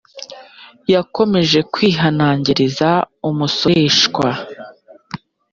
yakomeje kwihanangiriza umusoreshwa.